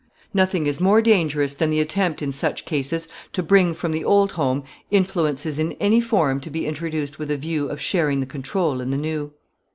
Nothing is more dangerous than the attempt in such cases to bring from the old home influences in any form to be introduced with a view of sharing the control in the new.